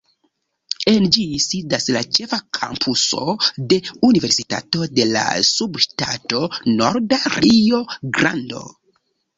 En ĝi sidas la ĉefa kampuso de Universitato de la Subŝtato Norda Rio-Grando.